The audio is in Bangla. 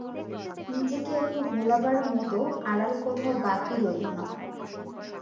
নিজেকে একটু ভোলাবার মতো আড়াল কোথাও বাকি রইল না।